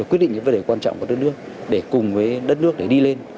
quyết định những vấn đề quan trọng của đất nước để cùng với đất nước để đi lên